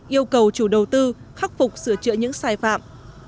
yêu cầu chủ đầu tư khắc phục sửa chữa những sai phạm